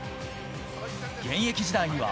現役時代には。